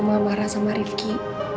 gue gak mau marah sama rifki